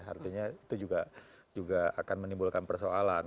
artinya itu juga akan menimbulkan persoalan